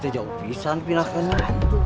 jauh pisang pindah pindah